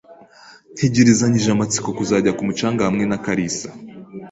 Ntegerezanyije amatsiko kuzajya ku mucanga hamwe na kalisa.